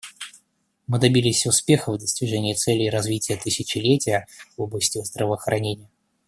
Мы добились успеха в достижении Целей развития тысячелетия в области здравоохранения.